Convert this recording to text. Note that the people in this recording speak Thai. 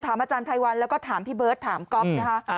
อาจารย์ไพรวัลแล้วก็ถามพี่เบิร์ตถามก๊อฟนะคะ